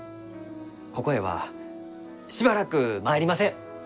ここへはしばらく参りません！